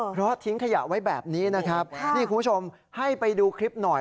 เพราะทิ้งขยะไว้แบบนี้นะครับนี่คุณผู้ชมให้ไปดูคลิปหน่อย